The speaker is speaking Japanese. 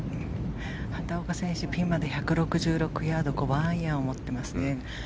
畑岡選手ピンまで１６５ヤード、５番アイアンを持っていますね。